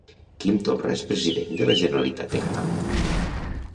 Quim Torra és President de la Generalitat de Catalunya